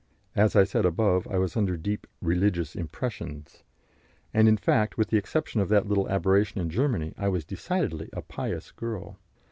As said above, I was under deep "religious impressions," and, in fact, with the exception of that little aberration in Germany, I was decidedly a pious girl.